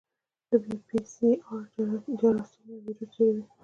د پی سي ار جراثیم یا وایرس ډېروي.